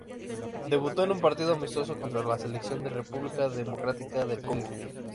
Debutó en un partido amistoso contra la selección de República Democrática del Congo.